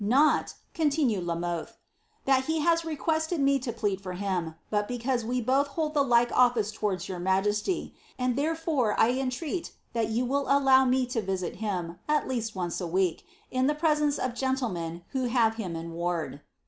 Not," continued La Mothe, ^ that he has requested me to plead for him, but because we both bold the like office towards your majesty ; and therefore I entreat that you will allow me to visit him, at least once a week, in the pres loce of gentlemen who have him in ward."